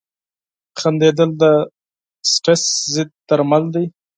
• خندېدل د سټرېس ضد درمل دي.